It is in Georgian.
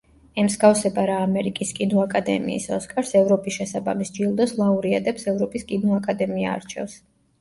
ემსგავსება რა ამერიკის კინოაკადემიის „ოსკარს“, ევროპის შესაბამის ჯილდოს ლაურეატებს ევროპის კინოაკადემია არჩევს.